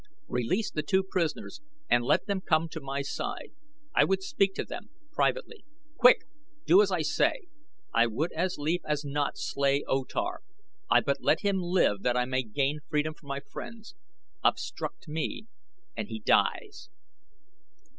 Release the two prisoners and let them come to my side I would speak to them, privately. Quick! do as I say; I would as lief as not slay O Tar. I but let him live that I may gain freedom for my friends obstruct me and he dies."